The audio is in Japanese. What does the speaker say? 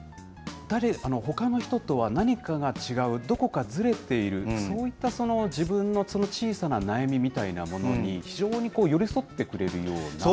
ほかの人とは何かが違う、どこかずれている、そういった自分の小さな悩みみたいなものに、非常にこう、寄り添ってくれるような。